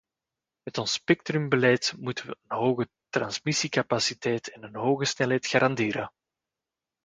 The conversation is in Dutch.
Met ons spectrumbeleid moeten we een hoge transmissiecapaciteit en een hoge snelheid garanderen.